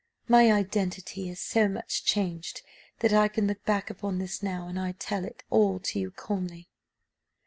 My identity is so much changed that I can look back upon this now, and tell it all to you calmly.